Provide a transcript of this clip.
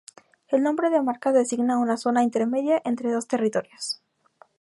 El nombre de marca designa una zona intermedia entre dos territorios.